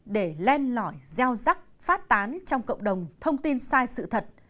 để len lỏi gieo rắc phát tán trong cộng đồng thông tin sai sự thật